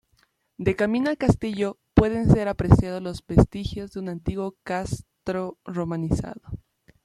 De camino al castillo, pueden ser apreciados los vestigios de un antiguo castro romanizado.